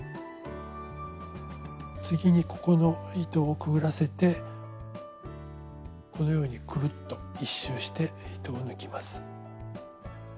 次にここの糸をくぐらせてこのようにクルッと１周して糸を抜きます。